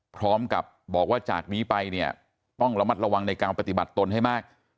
พร้อมกับบอกว่าจากนี้ไปเนี่ยต้องระมัดระวังในการปฏิบัติตนให้มาก